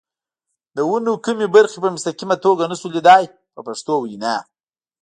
د ونو کومې برخې په مستقیمه توګه نشو لیدلای په پښتو وینا.